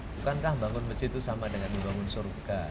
bukankah bangun masjid itu sama dengan membangun surga